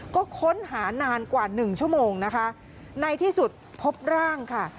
ก็ค้นหานานกว่าหนึ่งชั่วโมงนะคะในที่สุดพบร่างค่ะ